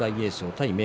対明